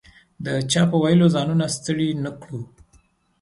د چا په ویلو ځانونه ستړي نه کړو.